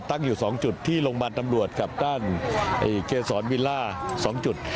ตั้งอยู่๒จุดที่โรงพยาบาลตำรวจกับด้านเกษรวิลล่า๒จุด